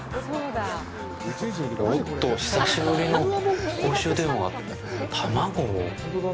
おっと、久しぶりの公衆電話が卵？